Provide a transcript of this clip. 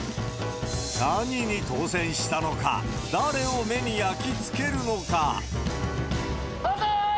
何に当せんしたのか、誰を目に焼き付けるのか。